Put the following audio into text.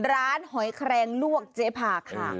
ร้านหอยแครงลวกเจภาค่ะ